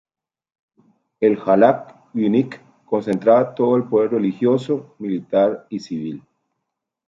El halach uinik concentraba todo el poder religioso, militar y civil.